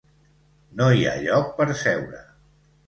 No hi ha lloc per seure.